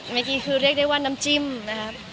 เมื่อกี้คือเรียกได้ว่าน้ำจิ้มนะครับ